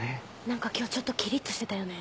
何か今日ちょっとキリっとしてたよね。